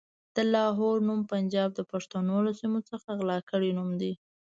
د لاهور نوم پنجاب د پښتنو له سيمو څخه غلا کړی نوم دی.